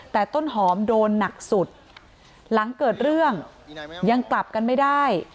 แต่ต้นหอมโดนหนักสุดหลังเกิดเรื่องยังกลับกันไม่ได้